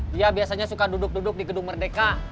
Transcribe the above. dia biasanya suka duduk duduk di gedung merdeka